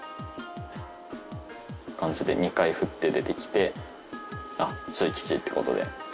って感じで２回振って出てきてあっ中吉って事で。